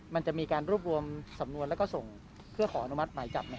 มันจะมีการรวบรวมสำนวนแล้วก็ส่งเพื่อขออนุมัติหมายจับไหม